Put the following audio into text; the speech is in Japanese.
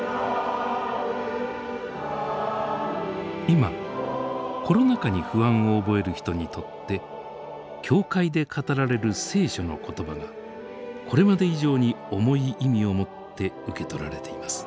今コロナ禍に不安を覚える人にとって教会で語られる聖書の言葉がこれまで以上に重い意味をもって受け取られています。